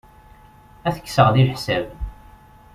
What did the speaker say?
Ad t-kkseɣ deg leḥsab.